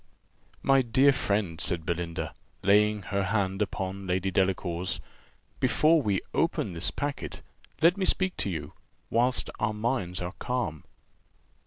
"My dear friend," said Belinda, laying her hand upon Lady Delacour's, "before we open this packet, let me speak to you, whilst our minds are calm."